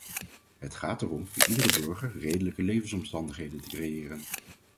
Het gaat erom voor iedere burger redelijke levensomstandigheden te creëren.